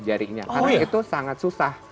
jarinya karena itu sangat susah